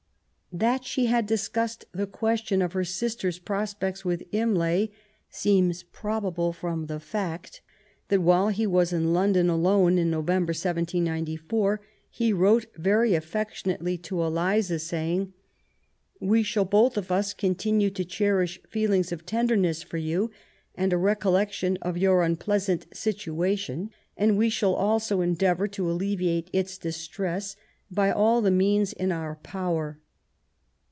That she had discussed the question of her sister's prospects with Imlay seems probable from the fact that while he was in London aloue, in November, 1794, he wrote very affectionately to Eliza, saying, —... We shall both of ns continae to cherish feelings of tenderness for yon, and a recollection of your unpleasant situation, and we shaU also endeavour to alleviate its distress by all the means in our power.